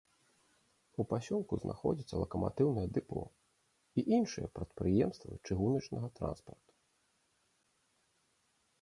У пасёлку знаходзіцца лакаматыўнае дэпо і іншыя прадпрыемствы чыгуначнага транспарту.